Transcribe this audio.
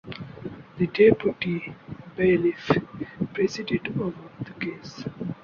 The deputy Bailiff presided over the case.